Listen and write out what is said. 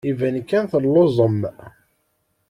Iban kan telluẓem.